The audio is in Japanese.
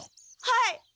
はい。